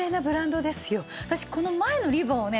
私この前のリボンをね